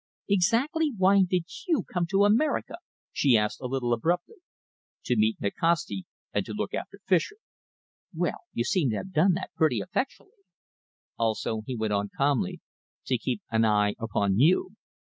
"Exactly why did you come to America?" she asked, a little abruptly. "To meet Nikasti and to look after Fischer." "Well, you seem to have done that pretty effectually!" "Also," he went on calmly, "to keep an eye upon you."